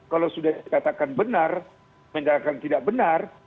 kalau sudah dikatakan benar menyatakan tidak benar